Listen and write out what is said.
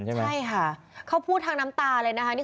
ใช่ครับเขาพูดทางน้ำตาเลยนะคะ